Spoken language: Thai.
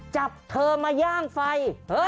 จับเธอมาย่างไฟ